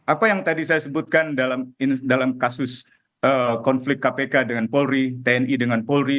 apa yang tadi saya sebutkan dalam kasus konflik kpk dengan polri tni dengan polri